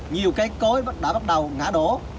nhiều cây cối đã bắt đầu ngã đổ